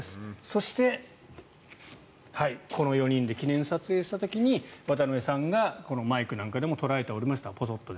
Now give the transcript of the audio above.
そして、この４人で記念撮影した時に渡邊さんがこのマイクなんかでも捉えておりました、ボソッと。